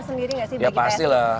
sendiri gak sih ya pasti lah